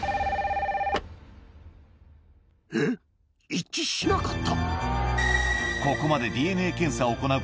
一致しなかった⁉